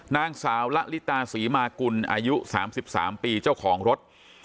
นางสาวละลิตาสีมากุลอายุสามสิบสามปีเจ้าของรถ